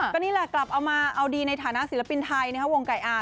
ก็นี่แหละกลับเอามาเอาดีในฐานะศิลปินไทยนะครับวงไก่อาร์